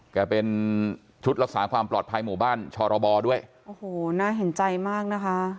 แกเป็นชุดรักษาความปลอดภัยหมู่บ้านชรบด้วยโอ้โหน่าเห็นใจมากนะคะ